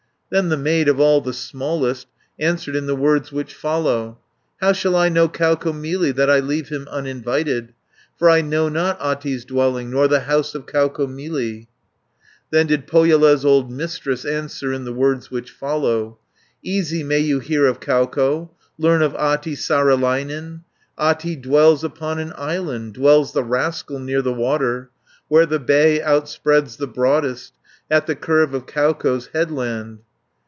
590 Then the maid, of all the smallest, Answered in the words which follow: "How shall I know Kaukomieli That I leave him uninvited? For I know not Ahti's dwelling, Nor the house of Kaukomieli." Then did Pohjola's old Mistress, Answer in the words which follow: "Easy may you hear of Kauko, Learn of Ahti Saarelainen. 600 Ahti dwells upon an island, Dwells the rascal near the water, Where the bay outspreads the broadest, At the curve of Kauko's headland."